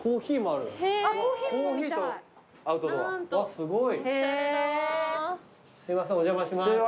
すいませんお邪魔します。